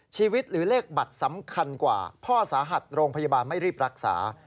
ชีวิตหรือเลขบัตรสำคัญกว่าพ่อสาหัสโรงพยาบาลไม่รีบรักษา